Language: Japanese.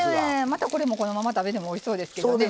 またこれもこのまま食べてもおいしそうですけどね。